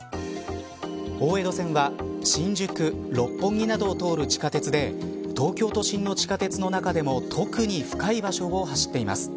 大江戸線は新宿、六本木などを通る地下鉄で東京都市の地下鉄の中でも特に深い場所を走っています。